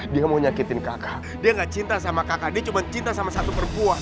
dia mau nyakitin kakak dia gak cinta sama kakak dia cuma cinta sama satu perempuan